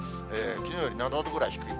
きのうより７度ぐらい低い。